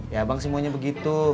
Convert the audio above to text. ya bang semuanya begitu